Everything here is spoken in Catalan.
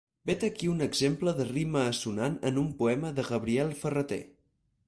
Vet aquí un exemple de rima assonant en un poema de Gabriel Ferrater.